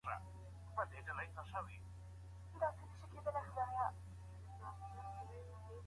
د يو بل له مزاج څخه خبرېدل ولي ضروري دي؟